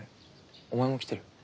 お前も来てる？